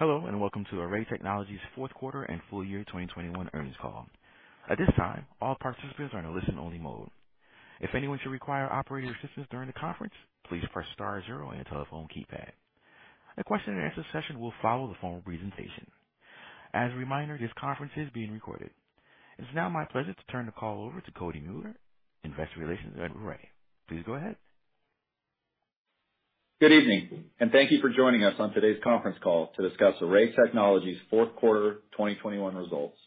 Hello, and welcome to Array Technologies' fourth quarter and full year 2021 earnings call. At this time, all participants are in a listen-only mode. If anyone should require operator assistance during the conference, please press star zero on your telephone keypad. A question-and-answer session will follow the formal presentation. As a reminder, this conference is being recorded. It is now my pleasure to turn the call over to Cody Mueller, Investor Relations at Array. Please go ahead. Good evening, and thank you for joining us on today's conference call to discuss Array Technologies fourth quarter 2021 results.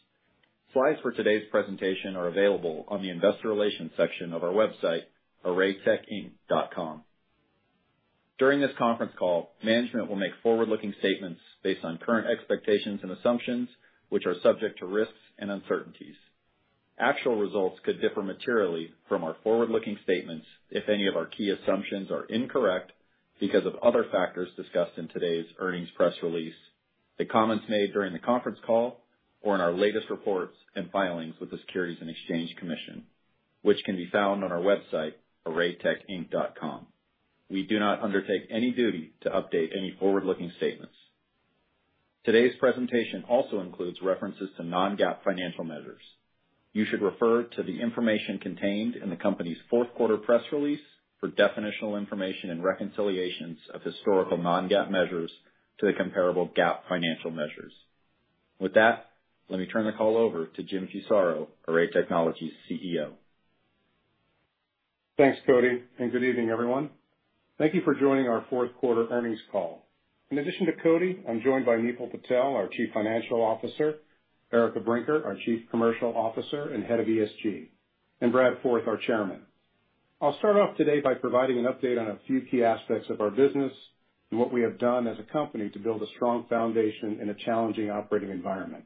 Slides for today's presentation are available on the investor relations section of our website, arraytechinc.com. During this conference call, management will make forward-looking statements based on current expectations and assumptions, which are subject to risks and uncertainties. Actual results could differ materially from our forward-looking statements if any of our key assumptions are incorrect because of other factors discussed in today's earnings press release, the comments made during the conference call, or in our latest reports and filings with the Securities and Exchange Commission, which can be found on our website, arraytechinc.com. We do not undertake any duty to update any forward-looking statements. Today's presentation also includes references to non-GAAP financial measures. You should refer to the information contained in the company's fourth quarter press release for definitional information and reconciliations of historical non-GAAP measures to the comparable GAAP financial measures. With that, let me turn the call over to Jim Fusaro, Array Technologies CEO. Thanks, Cody, and good evening, everyone. Thank you for joining our fourth quarter earnings call. In addition to Cody, I'm joined by Nipul Patel, our Chief Financial Officer, Erica Brinker, our Chief Commercial Officer and Head of ESG, and Brad Forth, our Chairman. I'll start off today by providing an update on a few key aspects of our business and what we have done as a company to build a strong foundation in a challenging operating environment.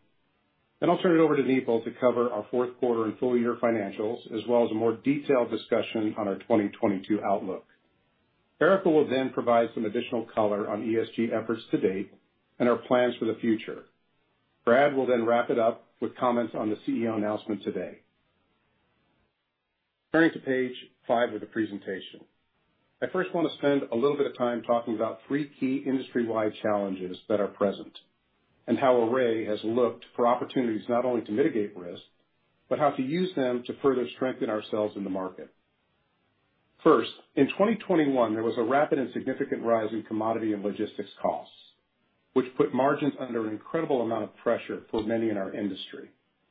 I'll turn it over to Nipul to cover our fourth quarter and full year financials, as well as a more detailed discussion on our 2022 outlook. Erica will then provide some additional color on ESG efforts to date and our plans for the future. Brad will then wrap it up with comments on the CEO announcement today. Turning to page five of the presentation. I first wanna spend a little bit of time talking about three key industry-wide challenges that are present and how Array has looked for opportunities not only to mitigate risk, but how to use them to further strengthen ourselves in the market. First, in 2021, there was a rapid and significant rise in commodity and logistics costs, which put margins under an incredible amount of pressure for many in our industry.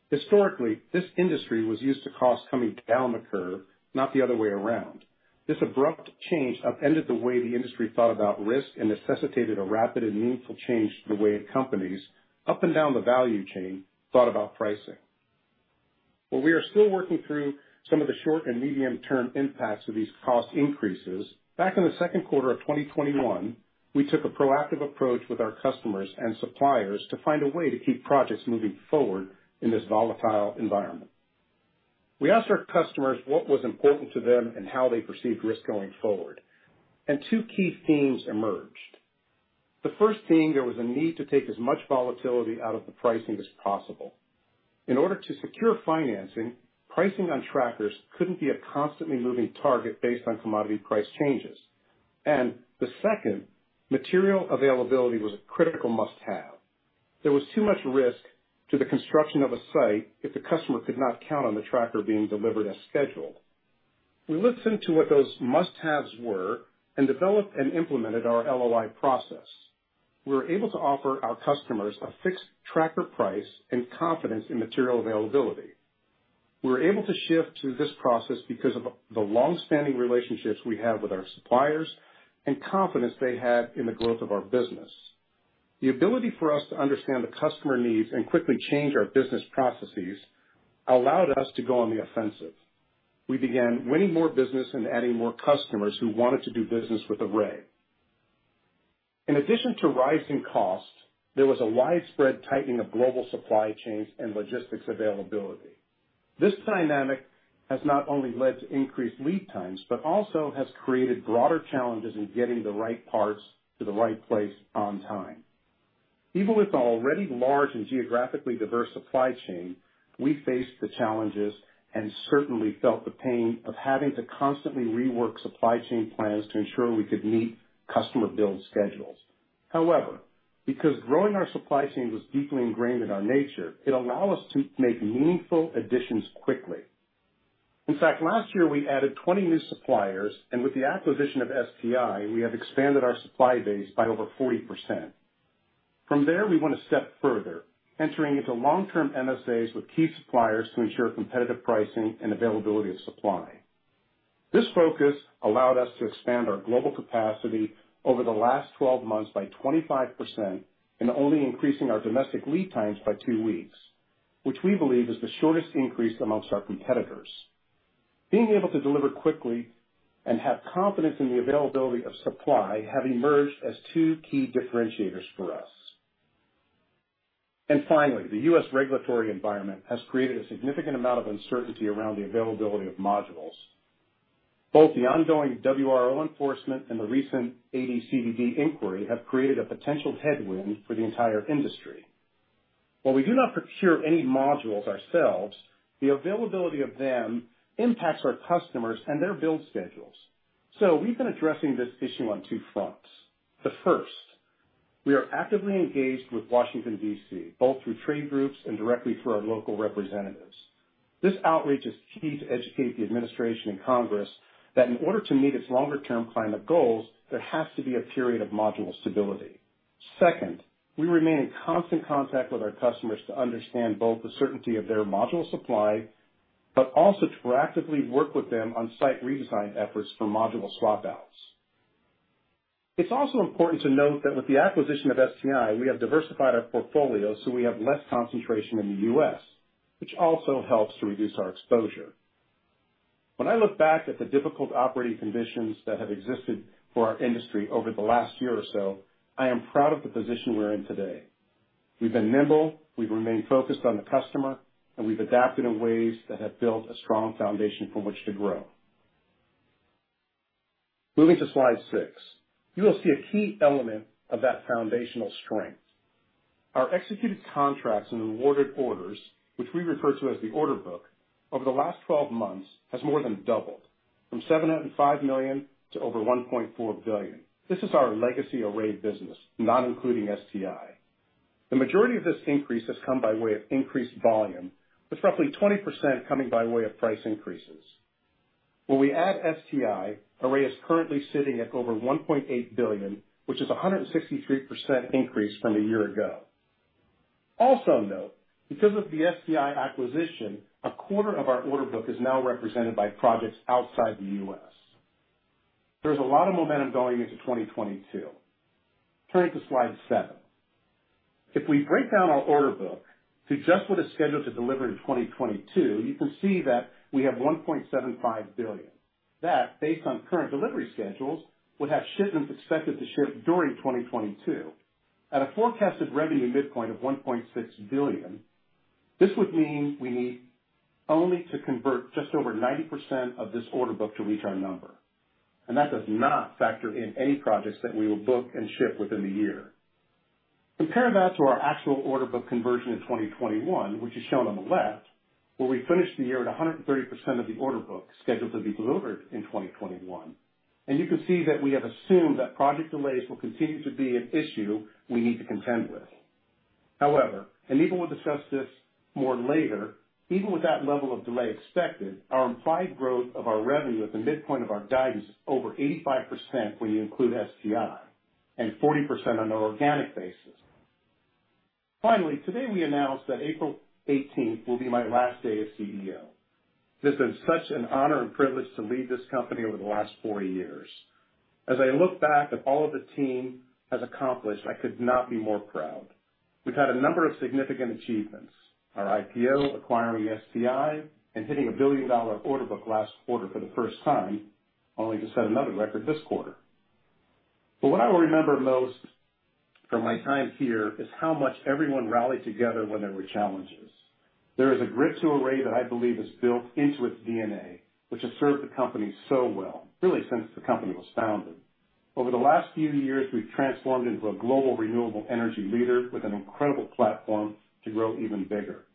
Historically, this industry was used to costs coming down the curve, not the other way around. This abrupt change upended the way the industry thought about risk and necessitated a rapid and meaningful change to the way companies, up and down the value chain, thought about pricing. While we are still working through some of the short and medium-term impacts of these cost increases, back in the second quarter of 2021, we took a proactive approach with our customers and suppliers to find a way to keep projects moving forward in this volatile environment. We asked our customers what was important to them and how they perceived risk going forward, and two key themes emerged. The first theme, there was a need to take as much volatility out of the pricing as possible. In order to secure financing, pricing on trackers couldn't be a constantly moving target based on commodity price changes. The second, material availability was a critical must-have. There was too much risk to the construction of a site if the customer could not count on the tracker being delivered as scheduled. We listened to what those must-haves were and developed and implemented our LOI process. We were able to offer our customers a fixed tracker price and confidence in material availability. We were able to shift to this process because of the long-standing relationships we have with our suppliers and confidence they had in the growth of our business. The ability for us to understand the customer needs and quickly change our business processes allowed us to go on the offensive. We began winning more business and adding more customers who wanted to do business with Array. In addition to rising costs, there was a widespread tightening of global supply chains and logistics availability. This dynamic has not only led to increased lead times, but also has created broader challenges in getting the right parts to the right place on time. Even with the already large and geographically diverse supply chain, we faced the challenges and certainly felt the pain of having to constantly rework supply chain plans to ensure we could meet customer build schedules. However, because growing our supply chain was deeply ingrained in our nature, it allowed us to make meaningful additions quickly. In fact, last year we added 20 new suppliers, and with the acquisition of STI Norland, we have expanded our supply base by over 40%. From there, we went a step further, entering into long-term NSAs with key suppliers to ensure competitive pricing and availability of supply. This focus allowed us to expand our global capacity over the last 12 months by 25% and only increasing our domestic lead times by two weeks, which we believe is the shortest increase amongst our competitors. Being able to deliver quickly and have confidence in the availability of supply have emerged as two key differentiators for us. Finally, the U.S. regulatory environment has created a significant amount of uncertainty around the availability of modules. Both the ongoing WRO enforcement and the recent AD/CVD inquiry have created a potential headwind for the entire industry. While we do not procure any modules ourselves, the availability of them impacts our customers and their build schedules. We've been addressing this issue on two fronts. The first, we are actively engaged with Washington, D.C., both through trade groups and directly through our local representatives. This outreach is key to educate the administration and Congress that in order to meet its longer-term climate goals, there has to be a period of module stability. Second, we remain in constant contact with our customers to understand both the certainty of their module supply, but also to proactively work with them on site redesign efforts for module swap outs. It's also important to note that with the acquisition of STI, we have diversified our portfolio so we have less concentration in the U.S., which also helps to reduce our exposure. When I look back at the difficult operating conditions that have existed for our industry over the last year or so, I am proud of the position we're in today. We've been nimble, we've remained focused on the customer, and we've adapted in ways that have built a strong foundation from which to grow. Moving to slide six, you will see a key element of that foundational strength. Our executed contracts and awarded orders, which we refer to as the order book, over the last 12 months has more than doubled from $705 million to over $1.4 billion. This is our legacy Array business, not including STI. The majority of this increase has come by way of increased volume, with roughly 20% coming by way of price increases. When we add STI, Array is currently sitting at over $1.8 billion, which is a 163% increase from a year ago. Also note, because of the STI acquisition, a quarter of our order book is now represented by projects outside the U.S. There's a lot of momentum going into 2022. Turning to slide seven. If we break down our order book to just what is scheduled to deliver in 2022, you can see that we have $1.75 billion. That, based on current delivery schedules, would have shipments expected to ship during 2022. At a forecasted revenue midpoint of $1.6 billion, this would mean we need only to convert just over 90% of this order book to reach our number. That does not factor in any projects that we will book and ship within the year. Compare that to our actual order book conversion in 2021, which is shown on the left, where we finished the year at 130% of the order book scheduled to be delivered in 2021. You can see that we have assumed that project delays will continue to be an issue we need to contend with. However, Nipul will discuss this more later, even with that level of delay expected, our implied growth of our revenue at the midpoint of our guidance over 85% when you include STI and 40% on an organic basis. Finally, today, we announced that April 18th will be my last day as CEO. It's been such an honor and privilege to lead this company over the last four years. As I look back at all the team has accomplished, I could not be more proud. We've had a number of significant achievements, our IPO, acquiring STI, and hitting a billion-dollar order book last quarter for the first time, only to set another record this quarter. What I will remember most from my time here is how much everyone rallied together when there were challenges. There is a grit to Array that I believe is built into its DNA, which has served the company so well, really since the company was founded. Over the last few years, we've transformed into a global renewable energy leader with an incredible platform to grow even bigger.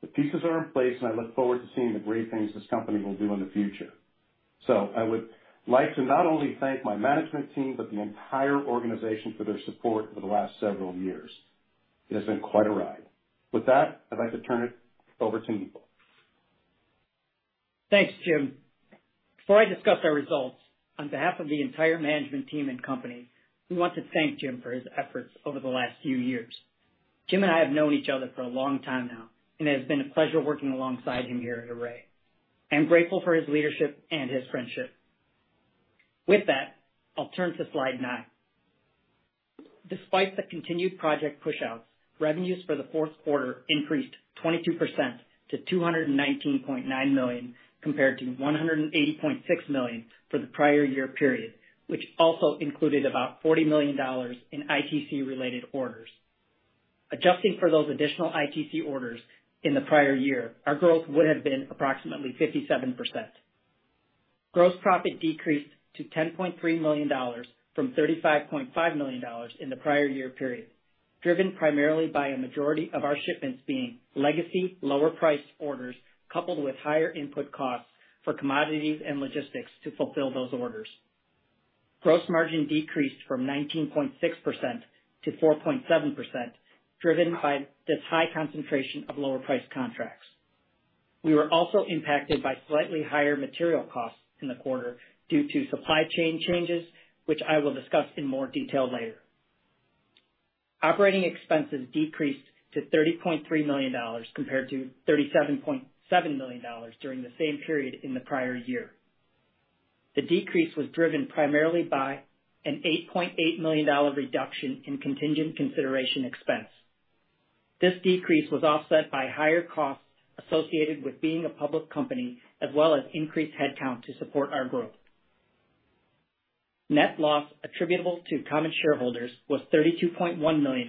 The pieces are in place, and I look forward to seeing the great things this company will do in the future. I would like to not only thank my management team, but the entire organization for their support over the last several years. It has been quite a ride. With that, I'd like to turn it over to Nipul. Thanks, Jim. Before I discuss our results, on behalf of the entire management team and company, we want to thank Jim for his efforts over the last few years. Jim and I have known each other for a long time now, and it has been a pleasure working alongside him here at Array. I am grateful for his leadership and his friendship. With that, I'll turn to slide nine. Despite the continued project pushouts, revenues for the fourth quarter increased 22% to $219.9 million, compared to $180.6 million for the prior year period, which also included about $40 million in ITC-related orders. Adjusting for those additional ITC orders in the prior year, our growth would have been approximately 57%. Gross profit decreased to $10.3 million from $35.5 million in the prior year period, driven primarily by a majority of our shipments being legacy lower-priced orders, coupled with higher input costs for commodities and logistics to fulfill those orders. Gross margin decreased from 19.6%-4.7%, driven by this high concentration of lower-priced contracts. We were also impacted by slightly higher material costs in the quarter due to supply chain changes, which I will discuss in more detail later. Operating expenses decreased to $30.3 million compared to $37.7 million during the same period in the prior year. The decrease was driven primarily by an $8.8 million reduction in contingent consideration expense. This decrease was offset by higher costs associated with being a public company, as well as increased headcount to support our growth. Net loss attributable to common shareholders was $32.1 million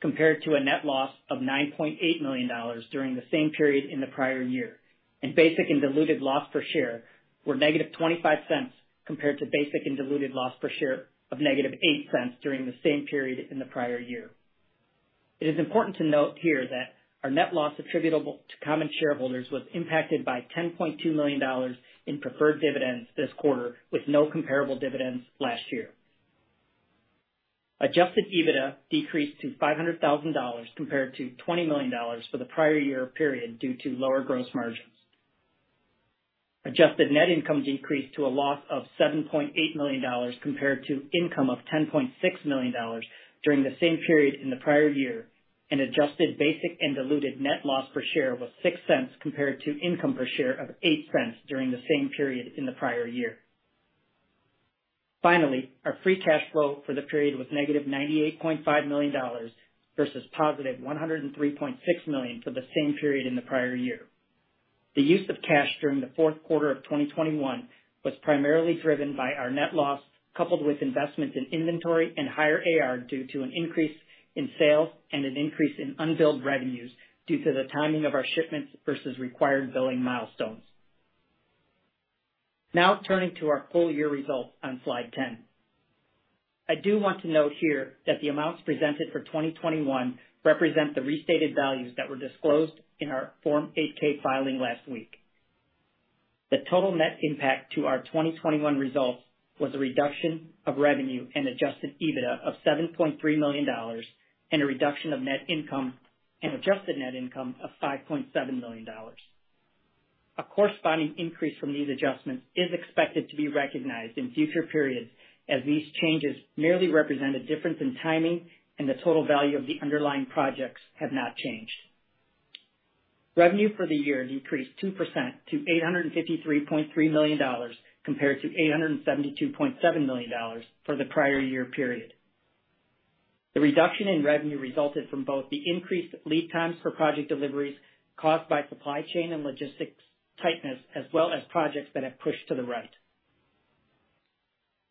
compared to a net loss of $9.8 million during the same period in the prior year, and basic and diluted loss per share were -$0.25 compared to basic and diluted loss per share of -$0.08 during the same period in the prior year. It is important to note here that our net loss attributable to common shareholders was impacted by $10.2 million in preferred dividends this quarter, with no comparable dividends last year. Adjusted EBITDA decreased to $500,000 compared to $20 million for the prior year period due to lower gross margins. Adjusted net income decreased to a loss of $7.8 million compared to income of $10.6 million during the same period in the prior year, and adjusted basic and diluted net loss per share was $0.06 compared to income per share of $0.08 during the same period in the prior year. Our free cash flow for the period was -$98.5 million versus $103.6 million for the same period in the prior year. The use of cash during the fourth quarter of 2021 was primarily driven by our net loss, coupled with investments in inventory and higher AR due to an increase in sales and an increase in unbilled revenues due to the timing of our shipments versus required billing milestones. Now turning to our full year results on slide 10. I do want to note here that the amounts presented for 2021 represent the restated values that were disclosed in our Form 8-K filing last week. The total net impact to our 2021 results was a reduction of revenue and adjusted EBITDA of $7.3 million and a reduction of net income and adjusted net income of $5.7 million. A corresponding increase from these adjustments is expected to be recognized in future periods, as these changes merely represent a difference in timing and the total value of the underlying projects have not changed. Revenue for the year decreased 2% to $853.3 million compared to $872.7 million for the prior year period. The reduction in revenue resulted from both the increased lead times for project deliveries caused by supply chain and logistics tightness, as well as projects that have pushed to the right.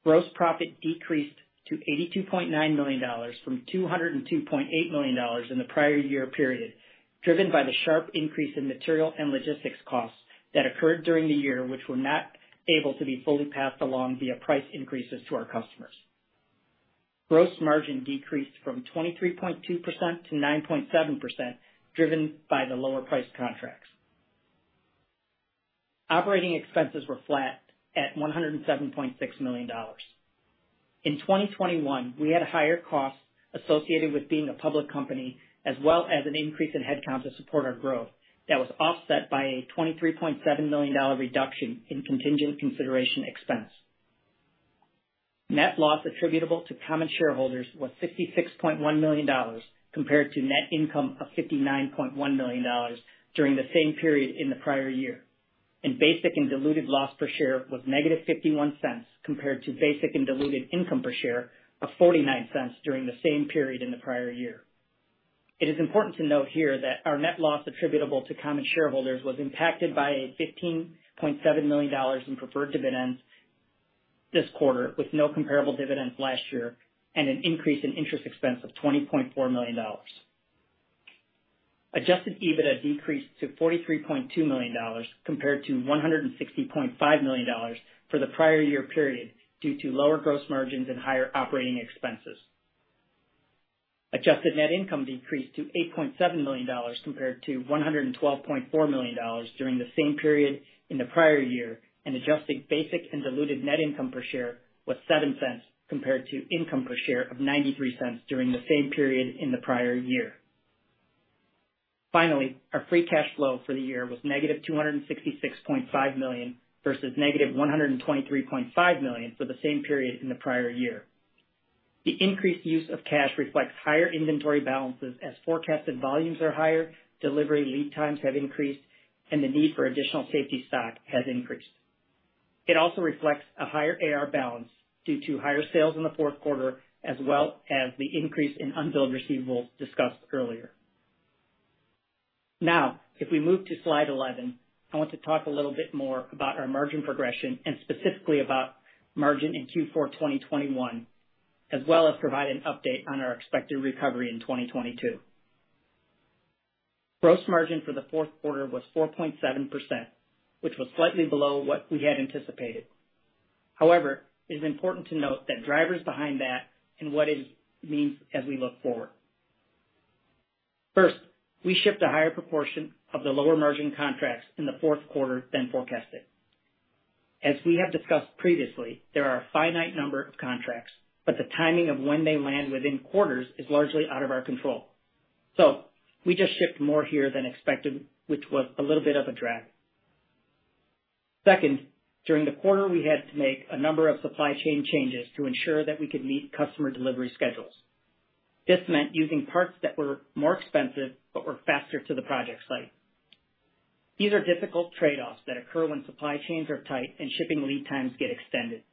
Gross profit decreased to $82.9 million from $202.8 million in the prior year period, driven by the sharp increase in material and logistics costs that occurred during the year, which were not able to be fully passed along via price increases to our customers. Gross margin decreased from 23.2%-9.7%, driven by the lower priced contracts. Operating expenses were flat at $107.6 million. In 2021, we had higher costs associated with being a public company as well as an increase in headcount to support our growth that was offset by a $23.7 million reduction in contingent consideration expense. Net loss attributable to common shareholders was $66.1 million compared to net income of $59.1 million during the same period in the prior year. Basic and diluted loss per share was -$0.51 compared to basic and diluted income per share of $0.49 during the same period in the prior year. It is important to note here that our net loss attributable to common shareholders was impacted by a $15.7 million in preferred dividends this quarter with no comparable dividends last year, and an increase in interest expense of $20.4 million. Adjusted EBITDA decreased to $43.2 million compared to $165 million for the prior year period due to lower gross margins and higher operating expenses. Adjusted net income decreased to $8.7 million compared to $112.4 million during the same period in the prior year. Adjusted basic and diluted net income per share was $0.07 compared to income per share of $0.93 during the same period in the prior year. Finally, our free cash flow for the year was -$266.5 million versus -$123.5 million for the same period in the prior year. The increased use of cash reflects higher inventory balances as forecasted volumes are higher, delivery lead times have increased, and the need for additional safety stock has increased. It also reflects a higher AR balance due to higher sales in the fourth quarter, as well as the increase in unbilled receivables discussed earlier. Now, if we move to slide 11, I want to talk a little bit more about our margin progression and specifically about margin in Q4 2021, as well as provide an update on our expected recovery in 2022. Gross margin for the fourth quarter was 4.7%, which was slightly below what we had anticipated. However, it is important to note the drivers behind that and what it means as we look forward. First, we shipped a higher proportion of the lower margin contracts in the fourth quarter than forecasted. As we have discussed previously, there are a finite number of contracts, but the timing of when they land within quarters is largely out of our control. We just shipped more here than expected, which was a little bit of a drag. Second, during the quarter, we had to make a number of supply chain changes to ensure that we could meet customer delivery schedules. This meant using parts that were more expensive but were faster to the project site. These are difficult trade-offs that occur when supply chains are tight and shipping lead times get extended.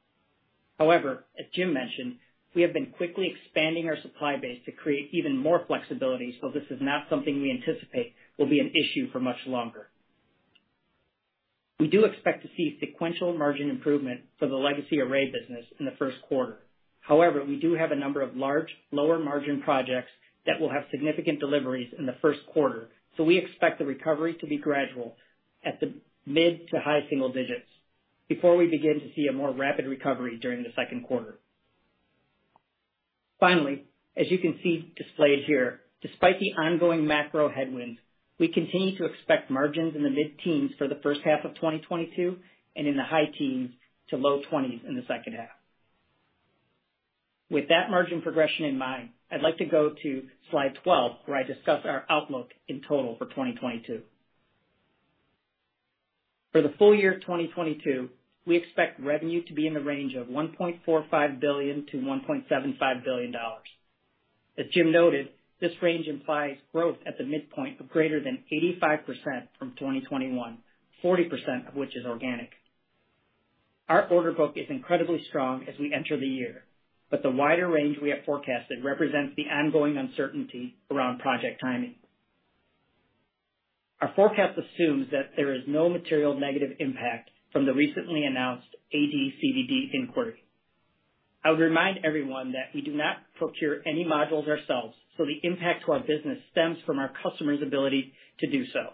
However, as Jim mentioned, we have been quickly expanding our supply base to create even more flexibility, so this is not something we anticipate will be an issue for much longer. We do expect to see sequential margin improvement for the legacy Array business in the first quarter. However, we do have a number of large, lower margin projects that will have significant deliveries in the first quarter, so we expect the recovery to be gradual at the mid to high-single-digits before we begin to see a more rapid recovery during the second quarter. Finally, as you can see displayed here, despite the ongoing macro headwinds, we continue to expect margins in the mid-teens for the first half of 2022 and in the high teens to low twenties in the second half. With that margin progression in mind, I'd like to go to slide 12, where I discuss our outlook in total for 2022. For the full year 2022, we expect revenue to be in the range of $1.45 billion-$1.75 billion. As Jim noted, this range implies growth at the midpoint of greater than 85% from 2021, 40% of which is organic. Our order book is incredibly strong as we enter the year, but the wider range we have forecasted represents the ongoing uncertainty around project timing. Our forecast assumes that there is no material negative impact from the recently announced AD/CVD inquiry. I would remind everyone that we do not procure any modules ourselves, so the impact to our business stems from our customer's ability to do so.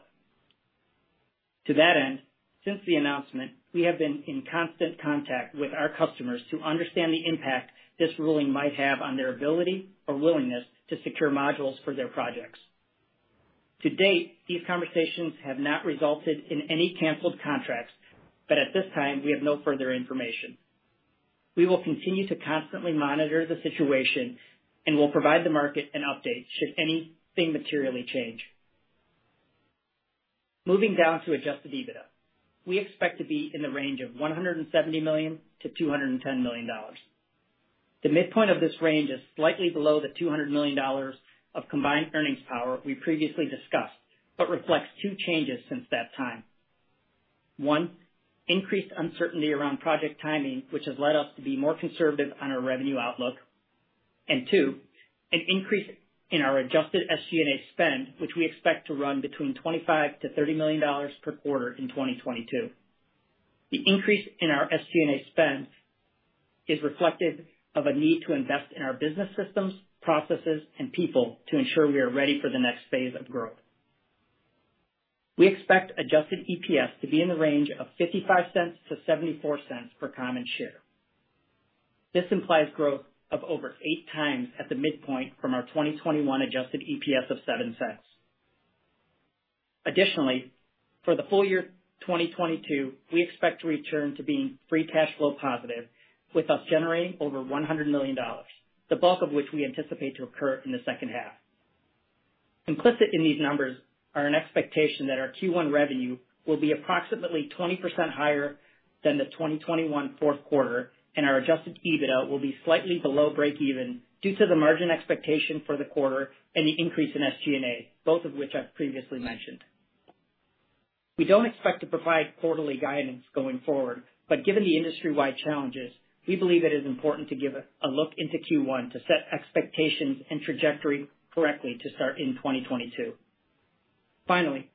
To that end, since the announcement, we have been in constant contact with our customers to understand the impact this ruling might have on their ability or willingness to secure modules for their projects. To date, these conversations have not resulted in any canceled contracts, but at this time, we have no further information. We will continue to constantly monitor the situation and will provide the market an update should anything materially change. Moving down to adjusted EBITDA. We expect to be in the range of $170 million-$210 million. The midpoint of this range is slightly below the $200 million of combined earnings power we previously discussed, but reflects two changes since that time. One, increased uncertainty around project timing, which has led us to be more conservative on our revenue outlook. Two, an increase in our adjusted SG&A spend, which we expect to run between $25 million-$30 million per quarter in 2022. The increase in our SG&A spend is reflective of a need to invest in our business systems, processes, and people to ensure we are ready for the next phase of growth. We expect adjusted EPS to be in the range of $0.55-$0.74 per common share. This implies growth of over 8x at the midpoint from our 2021 adjusted EPS of $0.07. Additionally, for the full year 2022, we expect to return to being free cash flow positive, with us generating over $100 million, the bulk of which we anticipate to occur in the second half. Implicit in these numbers are an expectation that our Q1 revenue will be approximately 20% higher than the 2021 fourth quarter, and our adjusted EBITDA will be slightly below break even due to the margin expectation for the quarter and the increase in SG&A, both of which I've previously mentioned. We don't expect to provide quarterly guidance going forward, but given the industry-wide challenges, we believe it is important to give a look into Q1 to set expectations and trajectory correctly to start in 2022. Finally,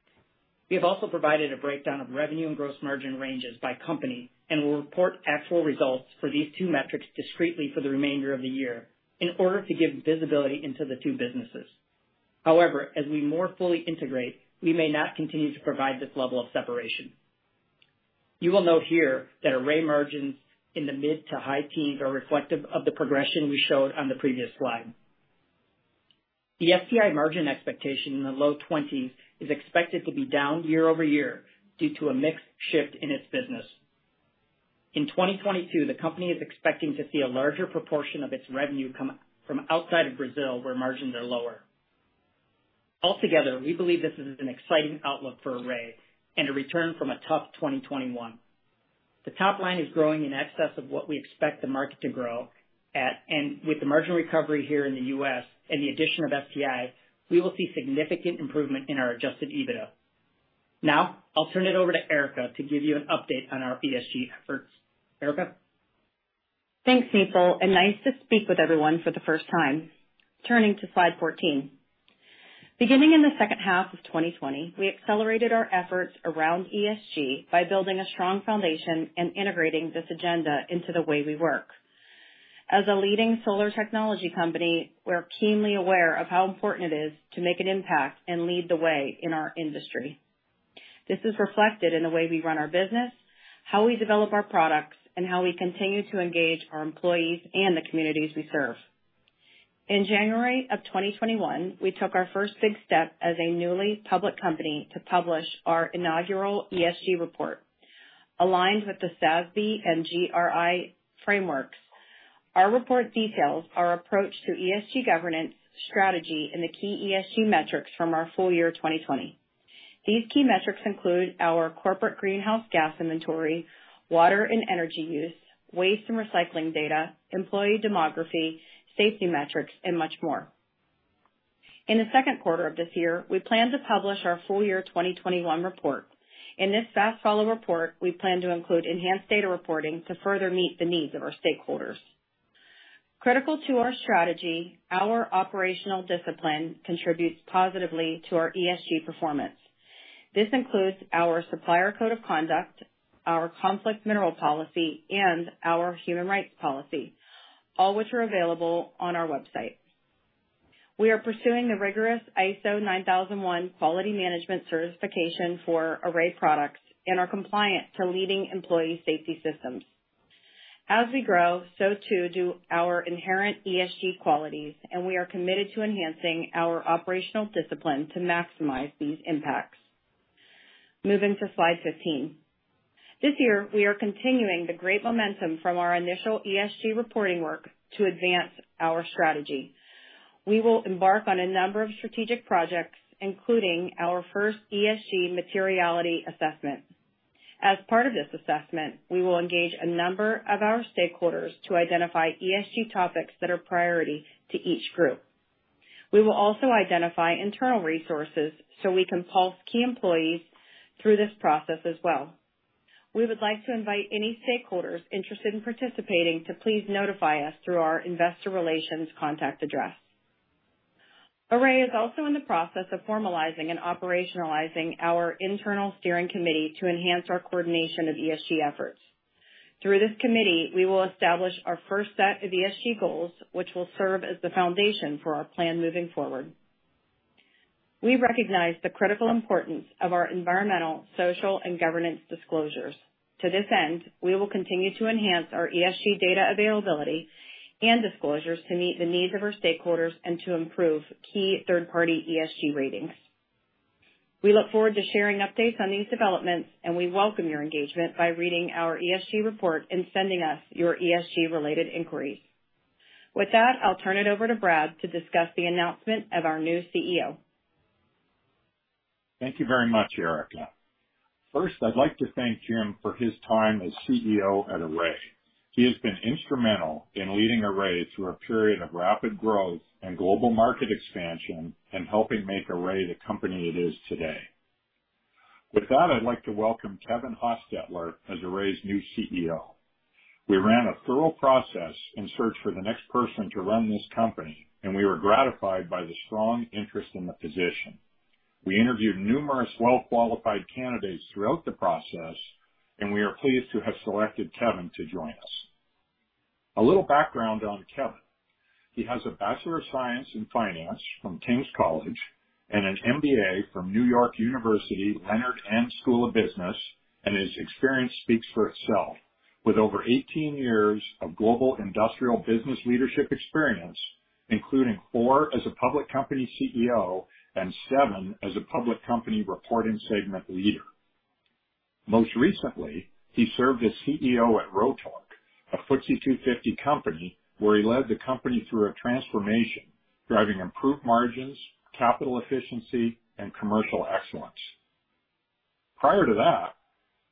we have also provided a breakdown of revenue and gross margin ranges by company and will report actual results for these two metrics discreetly for the remainder of the year in order to give visibility into the two businesses. However, as we more fully integrate, we may not continue to provide this level of separation. You will note here that Array margins in the mid to high-teens are reflective of the progression we showed on the previous slide. The STI margin expectation in the low-20s is expected to be down year-over-year due to a mix shift in its business. In 2022, the company is expecting to see a larger proportion of its revenue come from outside of Brazil, where margins are lower. Altogether, we believe this is an exciting outlook for Array and a return from a tough 2021. The top line is growing in excess of what we expect the market to grow at, and with the margin recovery here in the U.S. and the addition of STI, we will see significant improvement in our adjusted EBITDA. Now, I'll turn it over to Erica to give you an update on our ESG efforts. Erica? Thanks, Nipul, and nice to speak with everyone for the first time. Turning to slide 14. Beginning in the second half of 2020, we accelerated our efforts around ESG by building a strong foundation and integrating this agenda into the way we work. As a leading solar technology company, we're keenly aware of how important it is to make an impact and lead the way in our industry. This is reflected in the way we run our business, how we develop our products, and how we continue to engage our employees and the communities we serve. In January of 2021, we took our first big step as a newly public company to publish our inaugural ESG report. Aligned with the SASB and GRI frameworks, our report details our approach to ESG governance, strategy, and the key ESG metrics from our full year 2020. These key metrics include our corporate greenhouse gas inventory, water and energy use, waste and recycling data, employee demography, safety metrics, and much more. In the second quarter of this year, we plan to publish our full year 2021 report. In this fast follow report, we plan to include enhanced data reporting to further meet the needs of our stakeholders. Critical to our strategy, our operational discipline contributes positively to our ESG performance. This includes our supplier code of conduct, our conflict mineral policy, and our human rights policy, all which are available on our website. We are pursuing the rigorous ISO 9001 quality management certification for Array products and are compliant to leading employee safety systems. As we grow, so too do our inherent ESG qualities, and we are committed to enhancing our operational discipline to maximize these impacts. Moving to slide 15. This year, we are continuing the great momentum from our initial ESG reporting work to advance our strategy. We will embark on a number of strategic projects, including our first ESG materiality assessment. As part of this assessment, we will engage a number of our stakeholders to identify ESG topics that are priority to each group. We will also identify internal resources so we can pulse key employees through this process as well. We would like to invite any stakeholders interested in participating to please notify us through our investor relations contact address. Array is also in the process of formalizing and operationalizing our internal steering committee to enhance our coordination of ESG efforts. Through this committee, we will establish our first set of ESG goals, which will serve as the foundation for our plan moving forward. We recognize the critical importance of our environmental, social, and governance disclosures. To this end, we will continue to enhance our ESG data availability and disclosures to meet the needs of our stakeholders and to improve key third-party ESG ratings. We look forward to sharing updates on these developments, and we welcome your engagement by reading our ESG report and sending us your ESG related inquiries. With that, I'll turn it over to Brad to discuss the announcement of our new CEO. Thank you very much, Erica. First, I'd like to thank Jim for his time as CEO at Array. He has been instrumental in leading Array through a period of rapid growth and global market expansion and helping make Array the company it is today. With that, I'd like to welcome Kevin Hostetler as Array's new CEO. We ran a thorough process in search for the next person to run this company, and we were gratified by the strong interest in the position. We interviewed numerous well-qualified candidates throughout the process, and we are pleased to have selected Kevin to join us. A little background on Kevin. He has a Bachelor of Science in Finance from King's College and an MBA from New York University Leonard N. Stern School of Business, and his experience speaks for itself. With over 18 years of global industrial business leadership experience, including four as a public company CEO and seven as a public company reporting segment leader. Most recently, he served as CEO at Rotork, a FTSE 250 company, where he led the company through a transformation, driving improved margins, capital efficiency, and commercial excellence. Prior to that,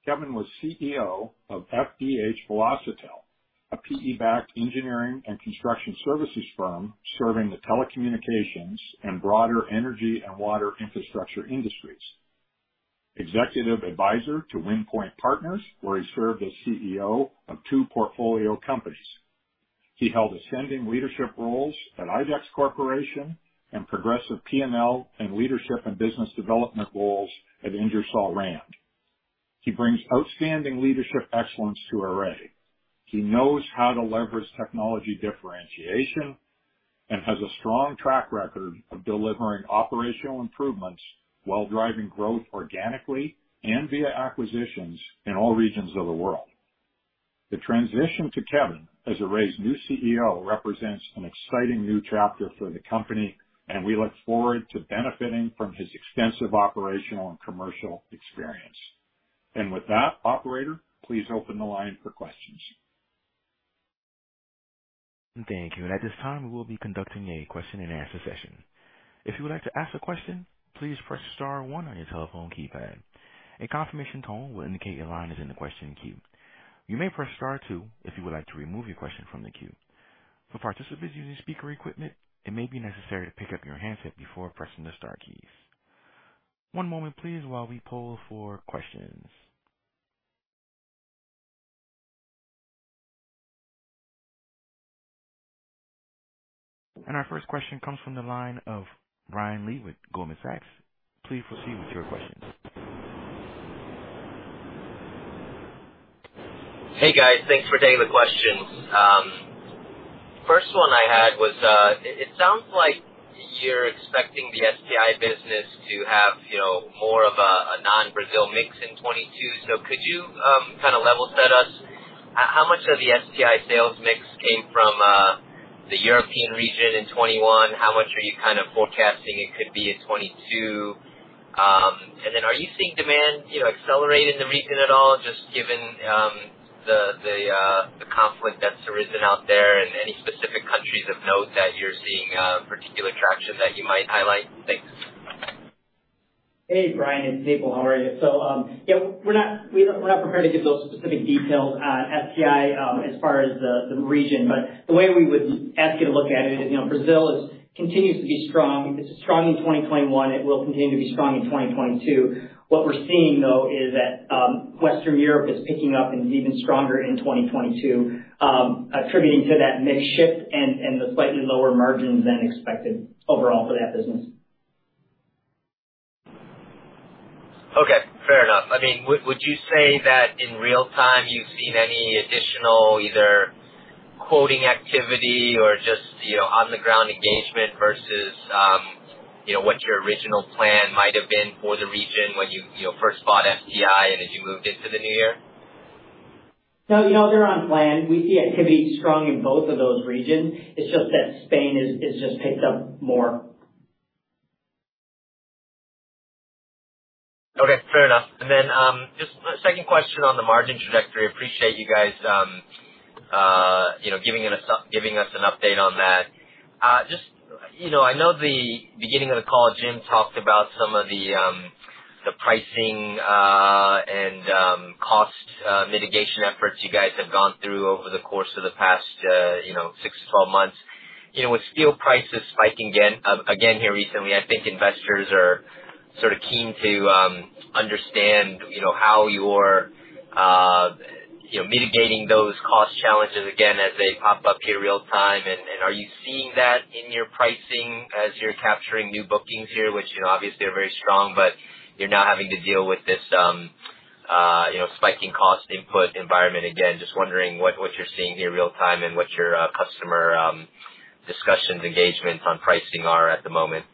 Kevin was CEO of FDH Velocitel, a PE-backed engineering and construction services firm serving the telecommunications and broader energy and water infrastructure industries. Executive Advisor to Wind Point Partners, where he served as CEO of two portfolio companies. He held ascending leadership roles at IDEX Corporation and progressive P&L and leadership and business development roles at Ingersoll Rand. He brings outstanding leadership excellence to Array. He knows how to leverage technology differentiation and has a strong track record of delivering operational improvements while driving growth organically and via acquisitions in all regions of the world. The transition to Kevin as Array's new CEO represents an exciting new chapter for the company, and we look forward to benefiting from his extensive operational and commercial experience. With that, operator, please open the line for questions. Thank you. At this time, we will be conducting a question-and-answer session. If you would like to ask a question, please press star one on your telephone keypad. A confirmation tone will indicate your line is in the question queue. You may press star two if you would like to remove your question from the queue. For participants using speaker equipment, it may be necessary to pick up your handset before pressing the star keys. One moment, please, while we poll for questions. Our first question comes from the line of Brian Lee with Goldman Sachs. Please proceed with your question. Hey, guys. Thanks for taking the questions. First one I had was, it sounds like you're expecting the STI business to have, you know, more of a non-Brazil mix in 2022. Could you kind of level set us how much of the STI sales mix came from the European region in 2021? How much are you kind of forecasting it could be in 2022? Then are you seeing demand, you know, accelerate in the region at all, just given the conflict that's arisen out there and any specific countries of note that you're seeing particular traction that you might highlight? Thanks. Hey, Brian, it's Nipul. How are you? Yeah, we're not prepared to give those specific details on STI as far as the region, but the way we would ask you to look at it is, you know, Brazil continues to be strong. It was strong in 2021. It will continue to be strong in 2022. What we're seeing, though, is that Western Europe is picking up and even stronger in 2022, attributing to that mix shift and the slightly lower margins than expected overall for that business. Okay, fair enough. I mean, would you say that in real time you've seen any additional either quoting activity or just, you know, on the ground engagement versus, you know, what your original plan might have been for the region when you know, first bought STI and as you moved into the new year? No, you know, they're on plan. We see activity strong in both of those regions. It's just that Spain has just picked up more. Okay, fair enough. Just a second question on the margin trajectory. Appreciate you guys, you know, giving us an update on that. Just, you know, I know the beginning of the call, Jim talked about some of the pricing and cost mitigation efforts you guys have gone through over the course of the past, you know, six to 12 months. You know, with steel prices spiking again here recently, I think investors are sort of keen to understand, you know, how you're, you know, mitigating those cost challenges again as they pop up here real time. Are you seeing that in your pricing as you're capturing new bookings here, which, you know, obviously are very strong, but you're now having to deal with this, you know, spiking cost input environment again. Just wondering what you're seeing here real time and what your customer discussions, engagements on pricing are at the moment.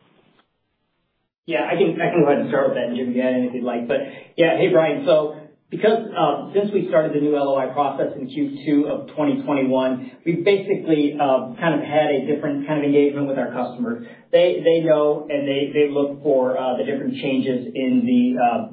Yeah, I can go ahead and start with that, Jim. You add anything you'd like. But yeah. Hey, Brian. Because since we started the new LOI process in Q2 of 2021, we've basically kind of had a different kind of engagement with our customers. They know, and they look for the different changes in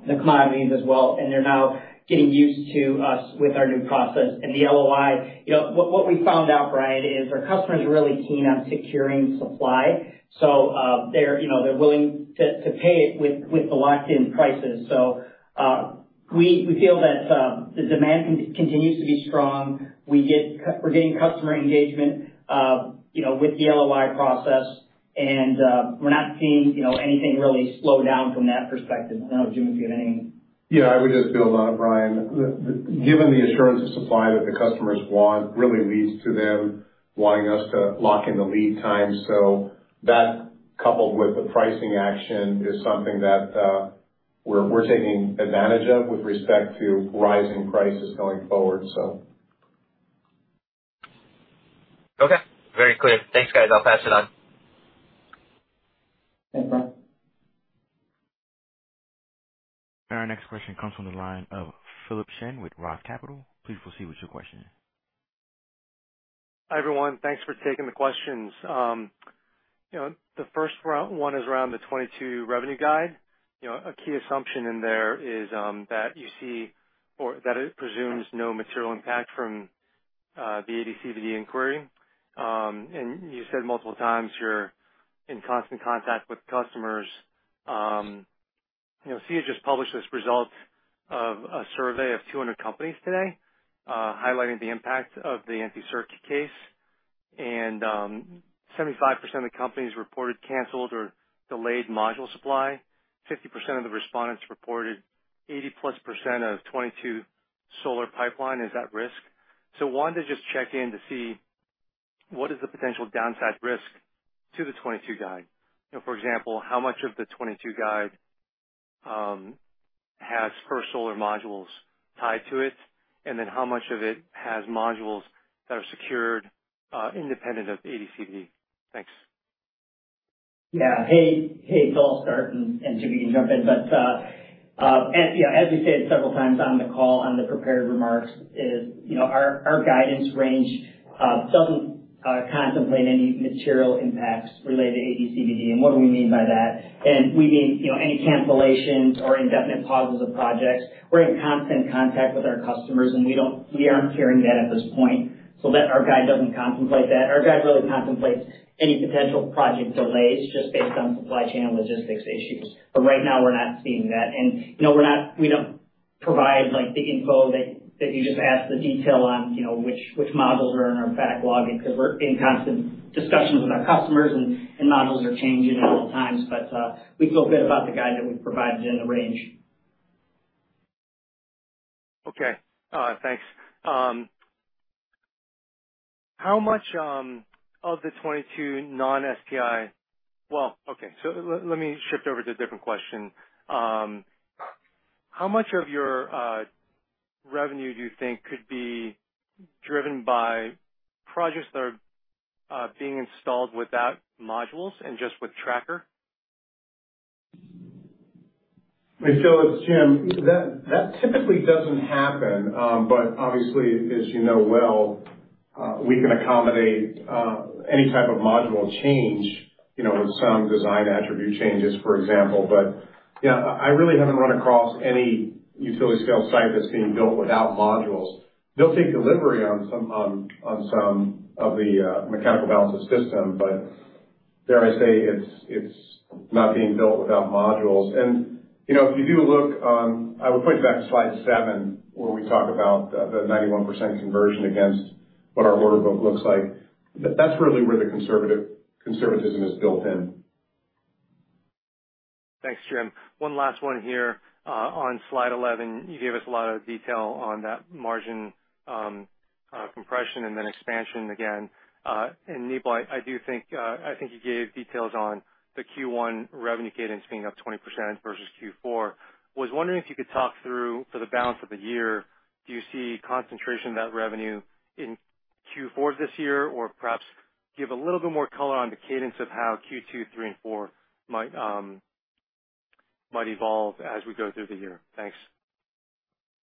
the commodities as well, and they're now getting used to us with our new process. The LOI, you know, what we found out, Brian, is our customers are really keen on securing supply, so they're, you know, they're willing to pay it with the locked-in prices. We feel that the demand continues to be strong. We're getting customer engagement, you know, with the LOI process. We're not seeing, you know, anything really slow down from that perspective. I don't know, Jim, if you had any- Yeah, I would just build on it, Brian. Given the assurance of supply that the customers want really leads to them wanting us to lock in the lead time. That coupled with the pricing action is something that we're taking advantage of with respect to rising prices going forward. Okay, very clear. Thanks, guys. I'll pass it on. Thanks, Brian. Our next question comes from the line of Philip Shen with Roth Capital. Please proceed with your question. Hi, everyone. Thanks for taking the questions. You know, the first one is around the 2022 revenue guide. You know, a key assumption in there is that you see or that it presumes no material impact from the AD/CVD inquiry. You said multiple times you're in constant contact with customers. You know, SEIA just published this result of a survey of 200 companies today, highlighting the impact of the anti-circumvention case. Seventy-five percent of the companies reported canceled or delayed module supply. Fifty percent of the respondents reported 80%+ of 2022 solar pipeline is at risk. Wanted to just check in to see what is the potential downside risk to the 2022 guide. You know, for example, how much of the 2022 guide has bifacial solar modules tied to it, and then how much of it has modules that are secured independent of AD/CVD? Thanks. Yeah. Hey, Phil, I'll start, and Jim, you can jump in. As you know, as we said several times on the call, in the prepared remarks, you know, our guidance range doesn't contemplate any material impacts related to AD/CVD. What do we mean by that? We mean, you know, any cancellations or indefinite pauses of projects. We're in constant contact with our customers, and we aren't hearing that at this point. Our guide doesn't contemplate that. Our guide really contemplates any potential project delays just based on supply chain logistics issues. Right now, we're not seeing that. You know, we don't provide, like, the info that you just asked, the detail on, you know, which modules are in our backlog because we're in constant discussions with our customers and modules are changing at all times. We feel good about the guide that we provided and the range. Okay. Thanks. How much of the 2022 non-STI. Well, okay, let me shift over to a different question. How much of your revenue do you think could be driven by projects that are being installed without modules and just with tracker? Hey, Phil, it's Jim. That typically doesn't happen. Obviously, as you know well, we can accommodate any type of module change, you know, with some design attribute changes, for example. Yeah, I really haven't run across any utility-scale site that's being built without modules. They'll take delivery on some of the mechanical balance-of-system, but dare I say, it's not being built without modules. You know, if you do look, I would point you back to slide seven, where we talk about the 91% conversion against what our order book looks like. That's really where the conservatism is built in. Thanks, Jim. One last one here. On slide 11, you gave us a lot of detail on that margin compression and then expansion again. And Nipul, I think you gave details on the Q1 revenue cadence being up 20% versus Q4. Was wondering if you could talk through for the balance of the year, do you see concentration of that revenue in Q4 of this year or perhaps give a little bit more color on the cadence of how Q2, Q3 and Q4 might evolve as we go through the year? Thanks.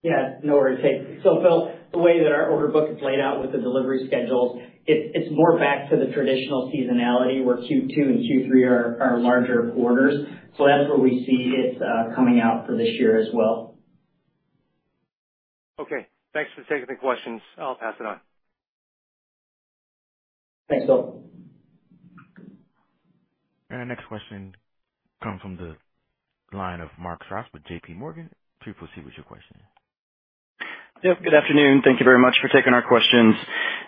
Yeah, no worries. Hey, so Philip, the way that our order book is laid out with the delivery schedules, it's more back to the traditional seasonality where Q2 and Q3 are larger quarters. That's where we see it coming out for this year as well. Okay, thanks for taking the questions. I'll pass it on. Thanks, Phil. Our next question comes from the line of Mark Strouse with J.P. Morgan. Please proceed with your question. Yep, good afternoon. Thank you very much for taking our questions.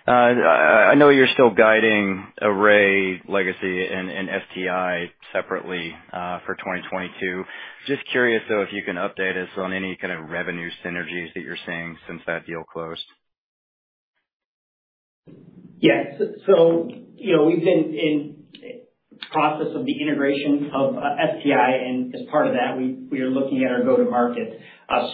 I know you're still guiding Array Legacy and STI separately for 2022. Just curious though if you can update us on any kind of revenue synergies that you're seeing since that deal closed. Yeah. You know, we've been in the process of the integration of STI, and as part of that, we are looking at our go-to-market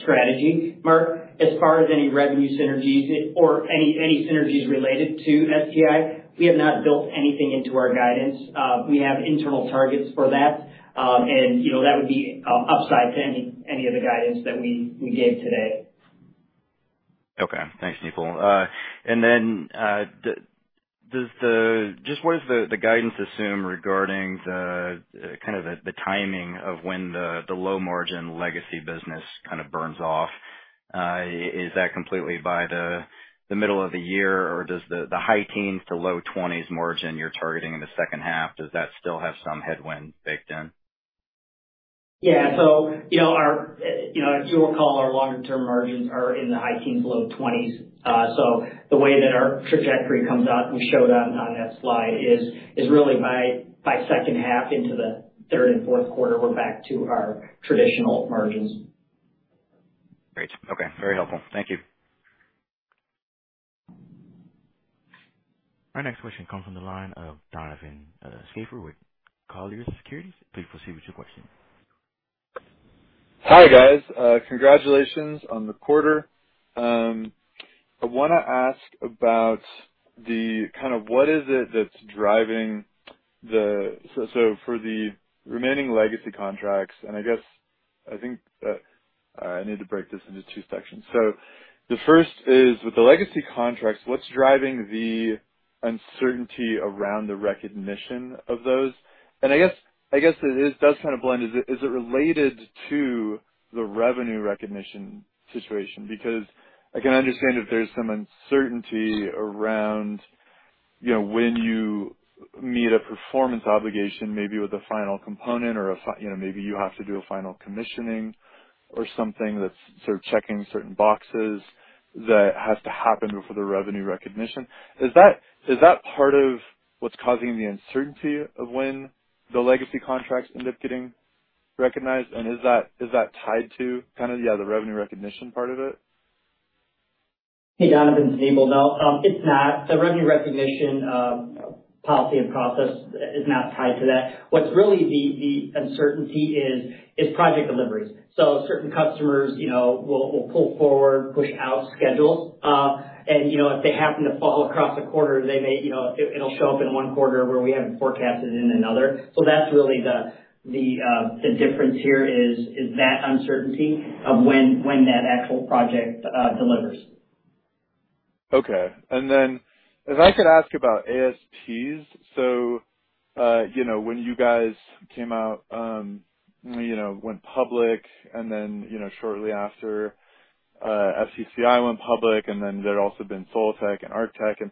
strategy. Mark, as far as any revenue synergies or any synergies related to STI, we have not built anything into our guidance. We have internal targets for that. You know, that would be upside to any of the guidance that we gave today. Okay, thanks Nipul. Just what does the guidance assume regarding the kind of the timing of when the low margin legacy business kind of burns off? Is that completely by the middle of the year, or does the high teens to low twenties margin you're targeting in the second half still have some headwind baked in? Yeah, you know, as you'll recall, our longer-term margins are in the high-teens, low 20s. The way that our trajectory comes out we showed on that slide is really by second half into the third and fourth quarter, we're back to our traditional margins. Great. Okay. Very helpful. Thank you. Our next question comes from the line of Donovan Schafer with Colliers Securities. Please proceed with your question. Hi, guys. Congratulations on the quarter. I wanna ask about what is it that's driving the remaining legacy contracts, and I guess I think I need to break this into two sections. The first is, with the legacy contracts, what's driving the uncertainty around the recognition of those? I guess it does kind of blend. Is it related to the revenue recognition situation? Because I can understand if there's some uncertainty around, you know, when you meet a performance obligation, maybe with a final component. You know, maybe you have to do a final commissioning or something that's sort of checking certain boxes that has to happen before the revenue recognition. Is that part of what's causing the uncertainty of when the legacy contracts end up getting recognized and is that tied to kind of, yeah, the revenue recognition part of it? Hey, Donovan. It's Nipul. No, it's not. The revenue recognition policy and process is not tied to that. What's really the uncertainty is project deliveries. Certain customers, you know, will pull forward, push out schedules. And, you know, if they happen to fall across a quarter, they may, you know, it'll show up in one quarter where we haven't forecasted in another. That's really the difference here is that uncertainty of when that actual project delivers. Okay. If I could ask about ASPs. You know, when you guys came out, you know, went public and then, you know, shortly after, FTCI went public and then there had also been Soltec and Arctech, and,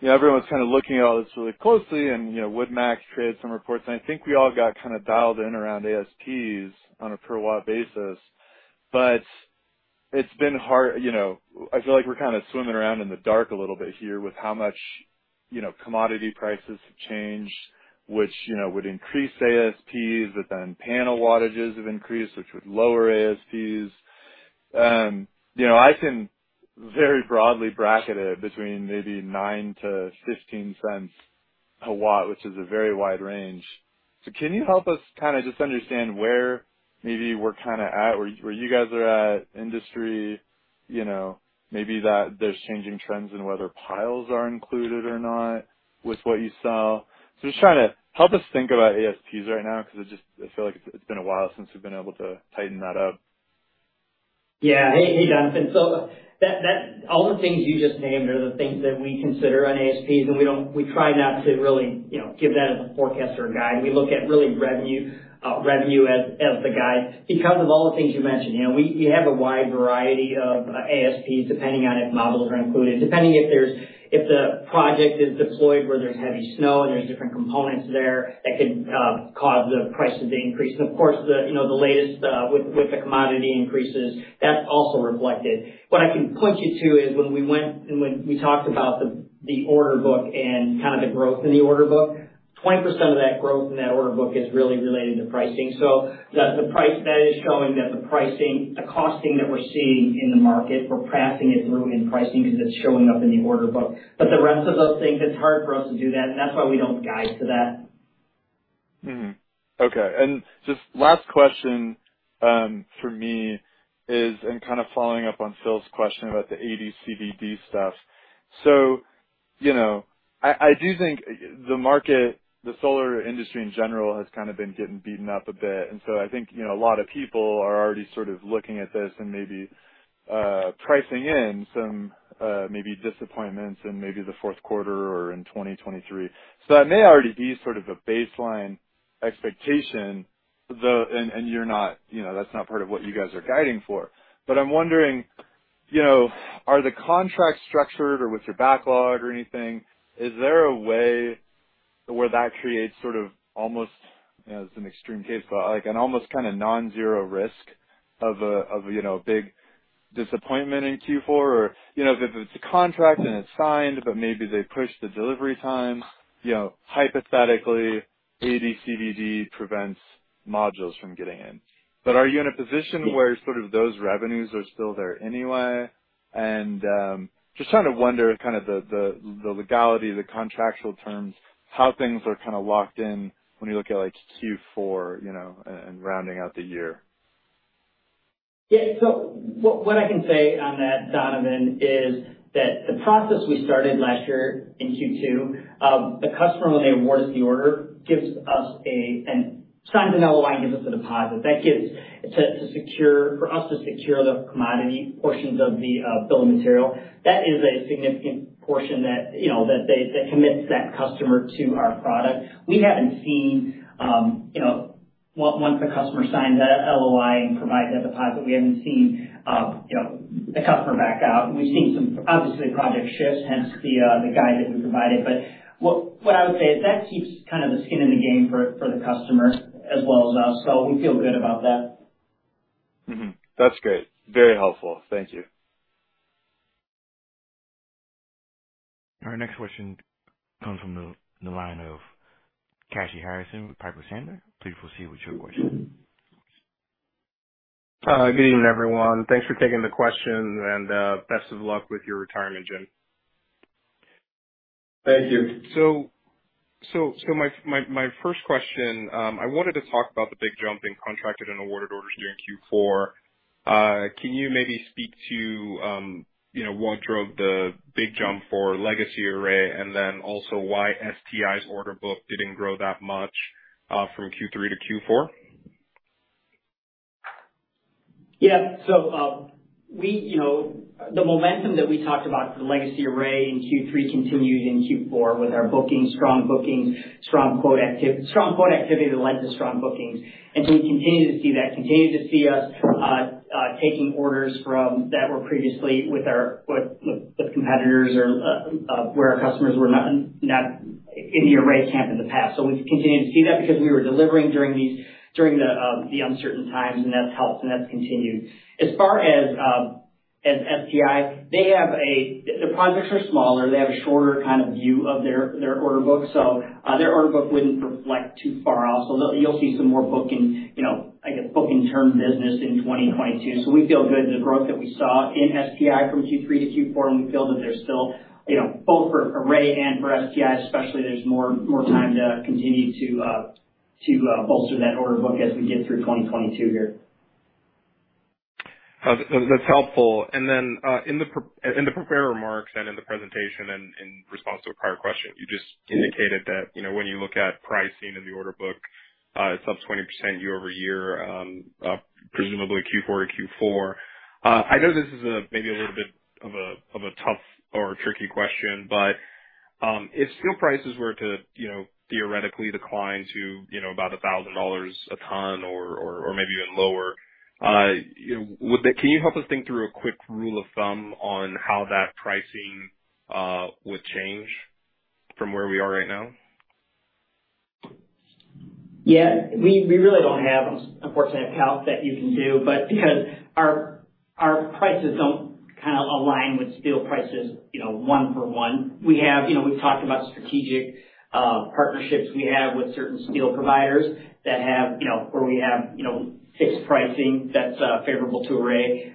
you know, everyone's kind of looking at all this really closely and, you know, Wood Mackenzie created some reports and I think we all got kind of dialed in around ASPs on a per-watt basis. It's been hard, you know, I feel like we're kind of swimming around in the dark a little bit here with how much, you know, commodity prices have changed, which, you know, would increase ASPs, but then panel wattages have increased, which would lower ASPs. You know, I can very broadly bracket it between maybe $0.09-$0.15 per watt, which is a very wide range. Can you help us kind of just understand where maybe we're kind of at, where you guys are at in the industry, you know, maybe that there's changing trends in whether piles are included or not with what you saw. Just trying to help us think about ASPs right now because it just, I feel like it's been a while since we've been able to tighten that up. Yeah. Hey, Donovan. All the things you just named are the things that we consider on ASPs, and we don't try not to really, you know, give that as a forecast or a guide. We look at revenue as the guide because of all the things you mentioned. You know, we have a wide variety of ASPs depending on if modules are included, depending if the project is deployed, where there's heavy snow and there's different components there that could cause the prices to increase. Of course, you know, the latest with the commodity increases, that's also reflected. What I can point you to is when we went and when we talked about the order book and kind of the growth in the order book. 20% of that growth in that order book is really related to pricing. That's the price that is showing that the pricing, the costing that we're seeing in the market, we're passing it through in pricing because it's showing up in the order book. The rest of those things, it's hard for us to do that, and that's why we don't guide to that. Okay. Just last question for me is, and kind of following up on Philip's question about the AD/CVD stuff. You know, I do think the market, the solar industry in general has kind of been getting beaten up a bit. I think, you know, a lot of people are already sort of looking at this and maybe pricing in some maybe disappointments in the fourth quarter or in 2023. That may already be sort of a baseline expectation, though, and you're not, you know, that's not part of what you guys are guiding for. I'm wondering, you know, are the contracts structured or with your backlog or anything, is there a way where that creates sort of almost, you know, as an extreme case, but like an almost kind of non-zero risk of a, you know, a big disappointment in Q4? Or, you know, if it's a contract and it's signed, but maybe they push the delivery times, you know, hypothetically AD/CVD prevents modules from getting in. But are you in a position where sort of those revenues are still there anyway? Just trying to wonder kind of the legality, the contractual terms, how things are kind of locked in when you look at, like, Q4, you know, and rounding out the year. Yeah. What I can say on that, Donovan, is that the process we started last year in Q2, the customer, when they award us the order, signs an LOI and gives us a deposit. That is to secure for us to secure the commodity portions of the bill of material. That is a significant portion that, you know, that they commit the customer to our product. We haven't seen, you know, once the customer signs that LOI and provides that deposit, we haven't seen, you know, the customer back out. We've seen some obviously project shifts, hence the guide that we provided. What I would say is that keeps kind of the skin in the game for the customer as well as us. We feel good about that. Mm-hmm. That's great. Very helpful. Thank you. Our next question comes from the line of Kashy Harrison with Piper Sandler. Please proceed with your question. Good evening, everyone. Thanks for taking the question and best of luck with your retirement, Jim. Thank you. My first question, I wanted to talk about the big jump in contracted and awarded orders during Q4. Can you maybe speak to, you know, what drove the big jump for legacy Array and then also why STI's order book didn't grow that much from Q3 to Q4? The momentum that we talked about for the legacy Array in Q3 continued in Q4 with our bookings, strong bookings, strong quote activity that led to strong bookings. You continue to see that. Continue to see us taking orders that were previously with our competitors or where our customers were not in the Array camp in the past. We've continued to see that because we were delivering during these uncertain times, and that's helped, and that's continued. As far as STI, the projects are smaller. They have a shorter kind of view of their order book. Their order book wouldn't reflect too far out. You'll see some more booking, you know, I guess booking term business in 2022. We feel good. The growth that we saw in STI from Q3 to Q4, and we feel that there's still, you know, both for Array and for STI especially, there's more time to continue to bolster that order book as we get through 2022 here. That's helpful. In the prepared remarks and in the presentation and in response to a prior question, you just indicated that, you know, when you look at pricing in the order book, it's up 20% year-over-year, presumably Q4 to Q4. I know this is maybe a little bit of a tough or a tricky question, but if steel prices were to, you know, theoretically decline to, you know, about $1,000 a ton or maybe even lower, you know, can you help us think through a quick rule of thumb on how that pricing would change from where we are right now? Yeah. We really don't have, unfortunately, a calc that you can do, but because our prices don't kind of align with steel prices, you know, one for one. We have, you know, we've talked about strategic partnerships we have with certain steel providers that have, you know, where we have, you know, fixed pricing that's favorable to Array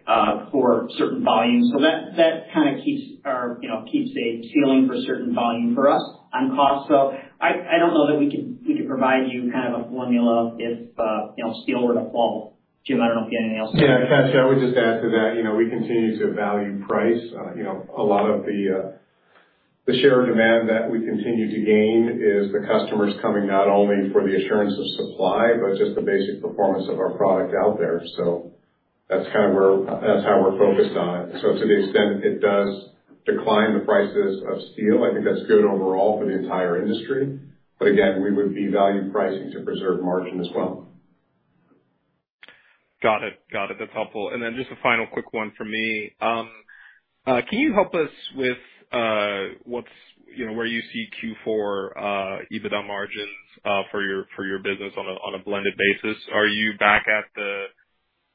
for certain volumes. So that kind of keeps our, you know, keeps a ceiling for a certain volume for us on cost. So I don't know that we could provide you kind of a formula if, you know, steel were to fall. Jim, I don't know if you have anything else to add. Yeah. Kashy, I would just add to that, you know, we continue to value price. You know, a lot of the share demand that we continue to gain is the customers coming not only for the assurance of supply, but just the basic performance of our product out there. That's kind of how we're focused on it. To the extent it does decline the prices of steel, I think that's good overall for the entire industry. Again, we would be value pricing to preserve margin as well. Got it. That's helpful. Then just a final quick one from me. Can you help us with what's, you know, where you see Q4 EBITDA margins for your business on a blended basis? Are you back at the,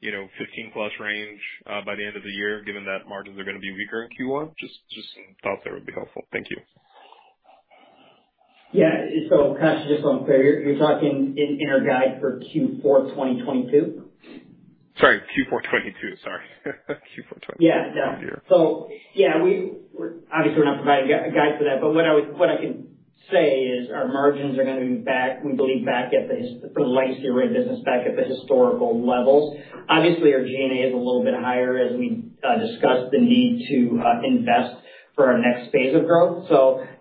you know, 15%+ range by the end of the year, given that margins are gonna be weaker in Q1? Just some thoughts there would be helpful. Thank you. Yeah. Kashy, just so I'm clear, you're talking in our guidance for Q4 2022? Sorry, Q4 2022. Yeah, yeah. End of year. Yeah, we're obviously not providing a G&A guide for that, but what I can say is our margins are gonna be back, we believe back at the legacy Array business, back at the historical levels. Obviously, our G&A is a little bit higher as we discussed the need to invest for our next phase of growth.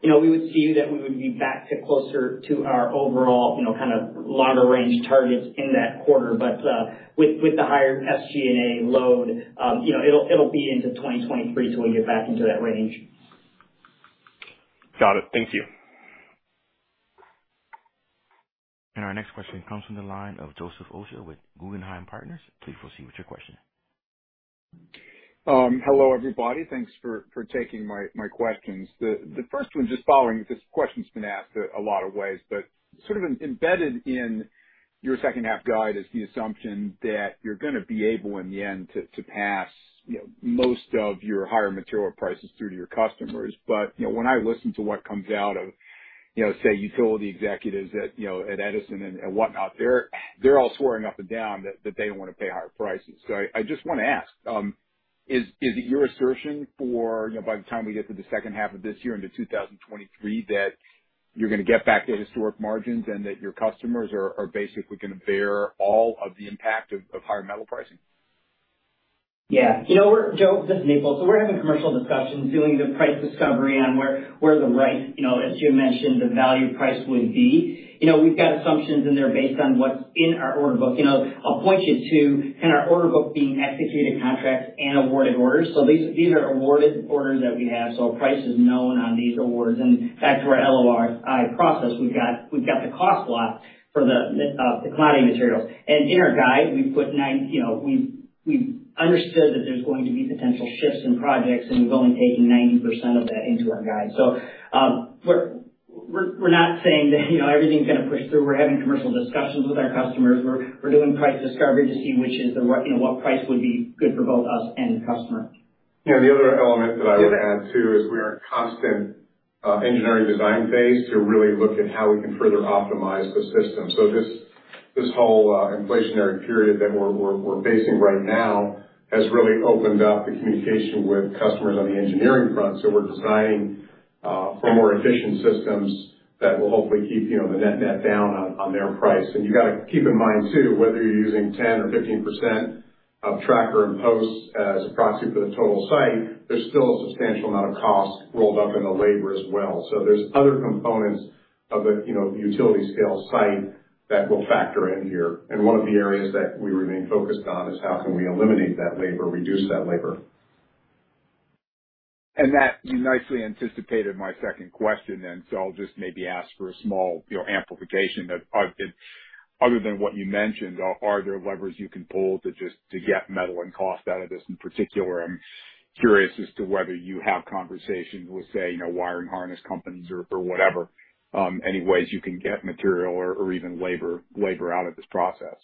You know, we would see that we would be back to closer to our overall, you know, kind of longer range targets in that quarter. With the higher SG&A load, you know, it'll be into 2023 till we get back into that range. Got it. Thank you. Our next question comes from the line of Joseph Osha with Guggenheim Partners. Please proceed with your question. Hello everybody. Thanks for taking my questions. The first one just following, this question's been asked a lot of ways, but sort of embedded in your second half guide is the assumption that you're gonna be able in the end to pass you know, most of your higher material prices through to your customers. You know, when I listen to what comes out of you know, say utility executives at you know, at Edison and whatnot, they're all swearing up and down that they don't wanna pay higher prices. I just wanna ask, is it your assertion for, you know, by the time we get to the second half of this year into 2023, that you're gonna get back to historic margins and that your customers are basically gonna bear all of the impact of higher metal pricing? Yeah. You know, Joe, this is Nipul. We're having commercial discussions, doing the price discovery on where the right, you know, as you mentioned, the value price would be. You know, we've got assumptions in there based on what's in our order book. You know, I'll point you to in our order book being executed contracts and awarded orders. These are awarded orders that we have. Price is known on these awards. Back to our LOI process, we've got the cost block for the commodity materials. In our guide we put nine. You know, we've understood that there's going to be potential shifts in projects and we've only taken 90% of that into our guide. We're not saying that, you know, everything's gonna push through. We're having commercial discussions with our customers. We're doing price discovery to see, you know, what price would be good for both us and the customer. You know, the other element that I would add, too, is we are in a constant engineering design phase to really look at how we can further optimize the system. This whole inflationary period that we're facing right now has really opened up the communication with customers on the engineering front. We're designing for more efficient systems that will hopefully keep, you know, the net net down on their price. You gotta keep in mind too, whether you're using 10% or 15% of tracker and posts as a proxy for the total site, there's still a substantial amount of cost rolled up in the labor as well. There's other components of the, you know, utility scale site that will factor in here. One of the areas that we remain focused on is how can we eliminate that labor, reduce that labor. Thank you for nicely anticipating my second question. I'll just maybe ask for a small, you know, amplification of other than what you mentioned. Are there levers you can pull to just, to get metal and cost out of this? In particular, I'm curious as to whether you have conversations with say, you know, wiring harness companies or whatever, any ways you can get material or even labor out of this process.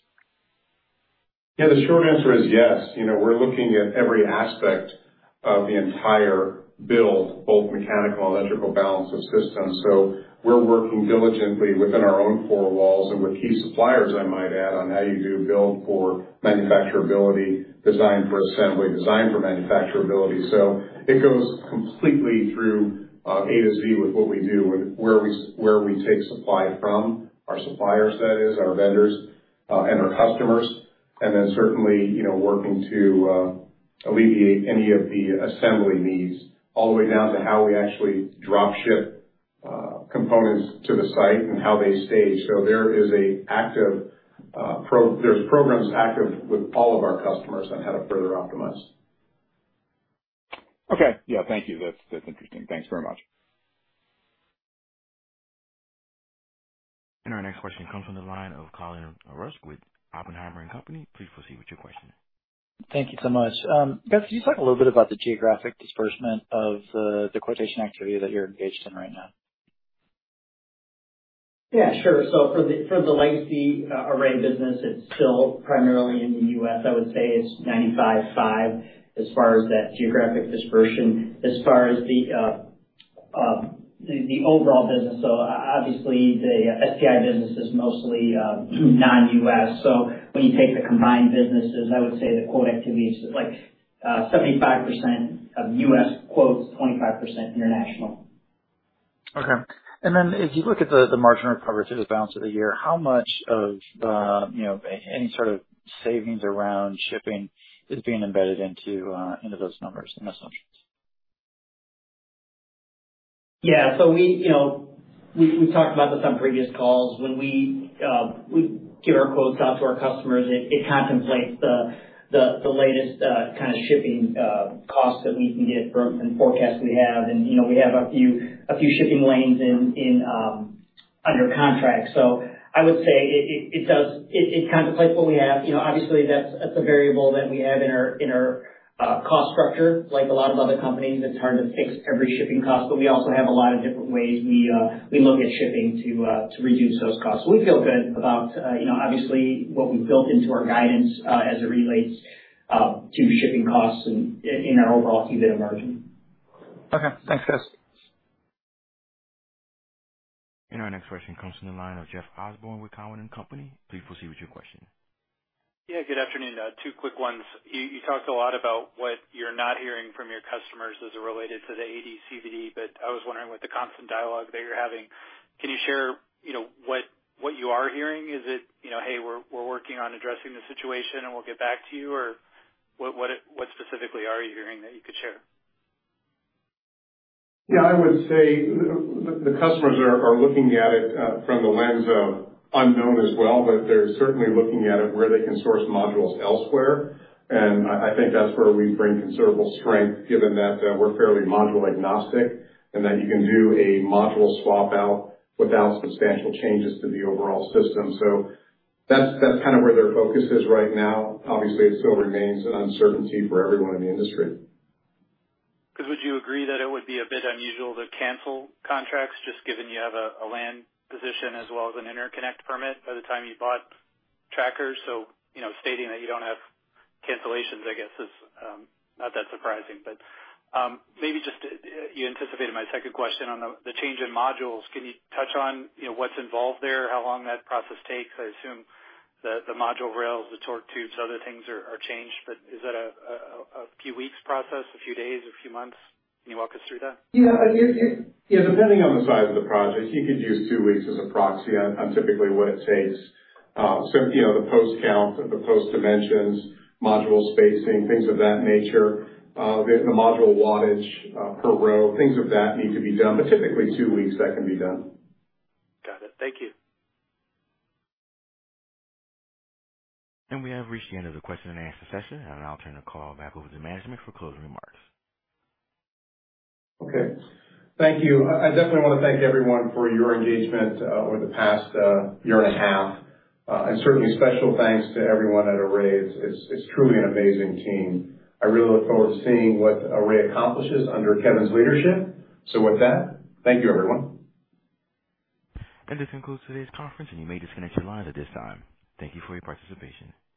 Yeah, the short answer is yes. You know, we're looking at every aspect of the entire build, both mechanical and electrical balance of systems. We're working diligently within our own four walls and with key suppliers, I might add, on how you do build for manufacturability, design for assembly, design for manufacturability. It goes completely through, A to Z with what we do and where we take supply from, our suppliers that is, our vendors, and our customers. Then certainly, you know, working to alleviate any of the assembly needs all the way down to how we actually drop ship components to the site and how they stage. There is a active, there's programs active with all of our customers on how to further optimize. Okay. Yeah, thank you. That's interesting. Thanks very much. Our next question comes from the line of Colin Rusch with Oppenheimer & Co. Please proceed with your question. Thank you so much. Guys, can you talk a little bit about the geographic distribution of the quotation activity that you're engaged in right now? Yeah, sure. For the legacy array business, it's still primarily in the U.S. I would say it's 95/5 as far as that geographic dispersion. As far as the overall business, obviously the STI business is mostly non-U.S. When you take the combined businesses, I would say the quote activity is like 75% U.S. quotes, 25% international. Okay. As you look at the margin recovery through the balance of the year, how much of the, you know, any sort of savings around shipping is being embedded into those numbers and assumptions? Yeah, you know, we talked about this on previous calls. When we give our quotes out to our customers, it contemplates the latest kind of shipping costs that we can get from the forecast we have. You know, we have a few shipping lanes in under contract. I would say it does. It contemplates what we have. You know, obviously that's a variable that we have in our cost structure. Like a lot of other companies, it's hard to fix every shipping cost, but we also have a lot of different ways we look at shipping to reduce those costs. We feel good about, you know, obviously what we've built into our guidance, as it relates to shipping costs and in our overall EBITDA margin. Okay. Thanks. Our next question comes from the line of Jeff Osborne with Cowen and Company. Please proceed with your question. Yeah. Good afternoon. Two quick ones. You talked a lot about what you're not hearing from your customers as it related to the AD/CVD, but I was wondering, with the constant dialogue that you're having, can you share, you know, what you are hearing? Is it, you know, "Hey, we're working on addressing the situation, and we'll get back to you." or what specifically are you hearing that you could share? Yeah. I would say the customers are looking at it from the lens of unknown as well, but they're certainly looking at it where they can source modules elsewhere. I think that's where we bring considerable strength, given that we're fairly module agnostic and that you can do a module swap out without substantial changes to the overall system. That's kind of where their focus is right now. Obviously, it still remains an uncertainty for everyone in the industry. 'Cause would you agree that it would be a bit unusual to cancel contracts just given you have a land position as well as an interconnect permit by the time you bought trackers? You know, stating that you don't have cancellations I guess is not that surprising. Maybe just you anticipated my second question on the change in modules. Can you touch on, you know, what's involved there? How long that process takes? I assume the module rails, the torque tubes, other things are changed, but is that a few weeks process, a few days, a few months? Can you walk us through that? Depending on the size of the project, you could use two weeks as a proxy on typically what it takes. You know, the post count, the post dimensions, module spacing, things of that nature, the module wattage per row, things of that need to be done. Typically two weeks that can be done. Got it. Thank you. We have reached the end of the question and answer session, and I'll turn the call back over to management for closing remarks. Okay. Thank you. I definitely wanna thank everyone for your engagement over the past year and a half. Certainly special thanks to everyone at Array. It's truly an amazing team. I really look forward to seeing what Array accomplishes under Kevin's leadership. With that, thank you, everyone. This concludes today's conference, and you may disconnect your lines at this time. Thank you for your participation.